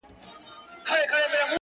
سهاد معلوم سو په لاسونو کي گړۍ نه غواړم,